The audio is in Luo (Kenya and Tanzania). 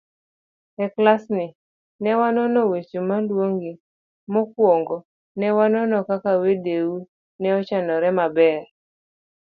E klasni, ne wanono weche maluwogi; mokwongo, ne wanono kaka wendeu ne ochanore maber.